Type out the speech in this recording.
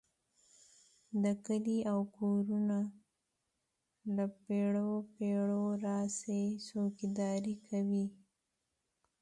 دا کلي او کورونه له پېړیو پېړیو راهیسې څوکیداري کوي.